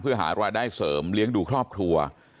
เพื่อหารายได้เสริมเลี้ยงดูครอบครัว